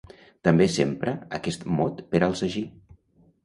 També s'empra aquest mot per al sagí.